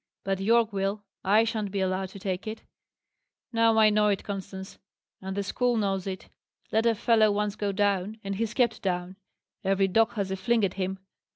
"But Yorke will. I shan't be allowed to take it. Now I know it, Constance, and the school knows it. Let a fellow once go down, and he's kept down: every dog has a fling at him.